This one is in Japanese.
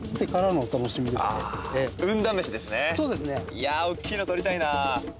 いやー、大きいの採りたいな。